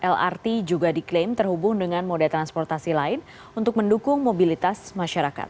lrt juga diklaim terhubung dengan moda transportasi lain untuk mendukung mobilitas masyarakat